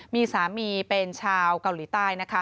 มีสามีเป็นชาวเกาหลีใต้นะคะ